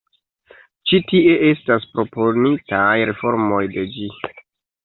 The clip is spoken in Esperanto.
Ĉi tie estas proponitaj reformoj de ĝi.